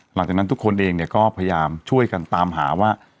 หลังจากนั้นทุกคนเองเนี่ยก็พยายามช่วยกันตามหาว่า